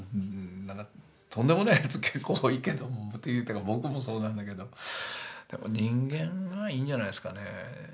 とんでもないやつ結構多いけども言ったら僕もそうなんだけど人間がいいんじゃないですかね。